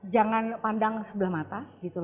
jangan pandang sebelah mata